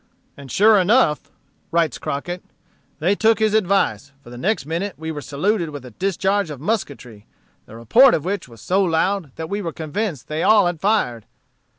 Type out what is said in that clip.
"And sure enough," writes Crockett, "they took his advice, for the next minute we were saluted with a discharge of musketry, the report of which was so loud that we were convinced they all had fired.